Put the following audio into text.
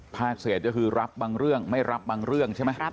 ภาคเศสที่รับบางเรื่องไม่รับบางเรื่องชัดอย่างกัน